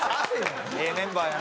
ええメンバーやな。